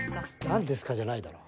何ですかじゃないだろ。